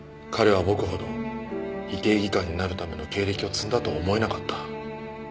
彼は僕ほど医系技官になるための経歴を積んだと思えなかった。